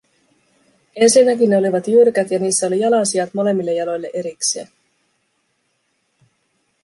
Ensinnäkin ne olivat jyrkät ja niissä oli jalansijat molemmille jaloille erikseen.